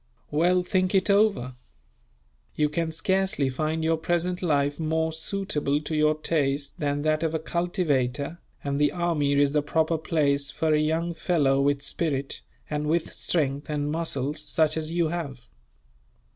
"Well, think it over. You can scarcely find your present life more suitable to your taste than that of a cultivator, and the army is the proper place for a young fellow with spirit, and with strength and muscles such as you have.